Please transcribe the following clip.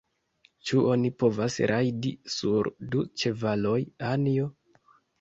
Ĉu oni povas rajdi sur du ĉevaloj, Anjo?